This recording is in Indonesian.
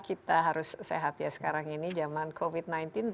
kita harus sehat ya sekarang ini zaman covid sembilan belas